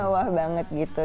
wah banget gitu